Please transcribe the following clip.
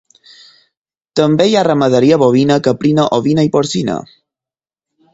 També hi ha ramaderia bovina, caprina, ovina i porcina.